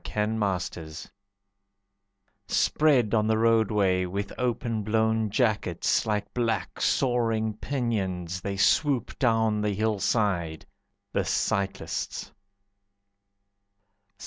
The Cyclists Spread on the roadway, With open blown jackets, Like black, soaring pinions, They swoop down the hillside, The Cyclists.